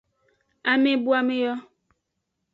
Amebuame yo.